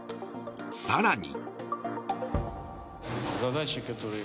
更に。